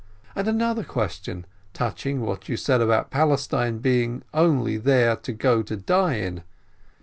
And another question, touching what you said about Palestine being only there to go and die in.